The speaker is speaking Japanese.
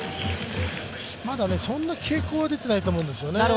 まだそんな傾向は出てないと思うんですよね。